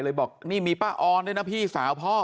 บอกนี่มีป้าออนด้วยนะพี่สาวพ่อ